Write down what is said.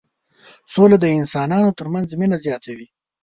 سوله د انسانانو ترمنځ مينه زياتوي.